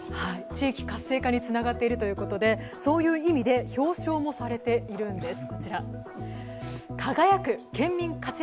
地域活性化につながっているということで、そういう意味で表彰もされているんです。